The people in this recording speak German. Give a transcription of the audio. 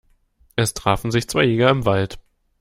Es trafen sich zwei Jäger im Wald.